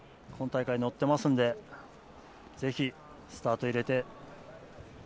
今大会乗ってますのでぜひスタート入れて。